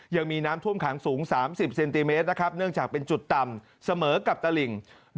ยังมีน้ำท่วมขังสูง๓๐เซนติเมตรเนื่องจากเป็นจุดต่ำเสมอกับตลิ่ง